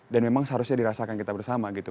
dan memang seharusnya dirasakan kita bersama gitu